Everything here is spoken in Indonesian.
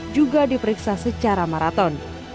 juga diperiksa secara maraton